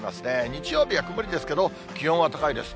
日曜日は曇りですけど、気温は高いです。